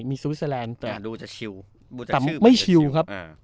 มีสวิสเซอร์แลนด์แต่อ่าดูจะชิวดูจากชื่อไม่ชิวครับอ่า